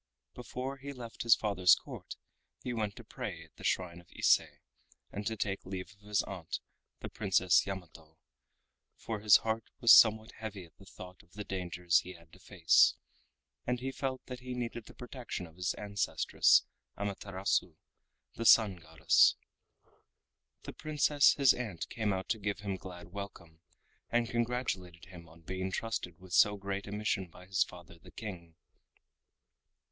Before he left his father's Court he went to pray at the shrine of Ise and to take leave of his aunt the Princess Yamato, for his heart was somewhat heavy at the thought of the dangers he had to face, and he felt that he needed the protection of his ancestress, Amaterasu, the Sun Goddess. The Princess his aunt came out to give him glad welcome, and congratulated him on being trusted with so great a mission by his father the King.